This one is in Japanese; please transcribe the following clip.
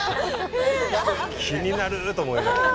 気になると思いながら。